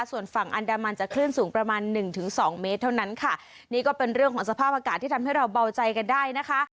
ส่วนฝั่งอันดามันจะคลื่นสูงประมาณหนึ่งถึงสองเมตรเท่านั้นค่ะนี่ก็เป็นเรื่องของสภาพอากาศที่ทำให้เราเบาใจกันได้นะคะ